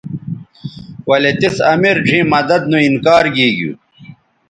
ولے تِس امیر ڙھیئں مدد نو انکار گیگیو